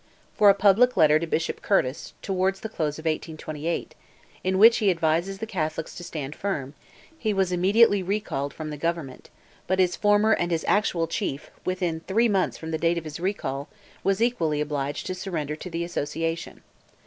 For a public letter to Bishop Curtis, towards the close of 1828, in which he advises the Catholics to stand firm, he was immediately recalled from the government; but his former and his actual chief, within three months from the date of his recall, was equally obliged to surrender to the Association.